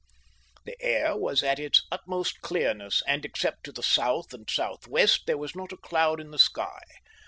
The air was at its utmost clearness and except to the south and south west there was not a cloud in the sky.